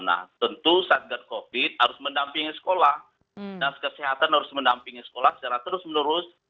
nah tentu satgas covid harus mendampingi sekolah dan kesehatan harus mendampingi sekolah secara terus menerus